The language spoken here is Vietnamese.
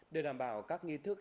để đảm bảo các nghi thức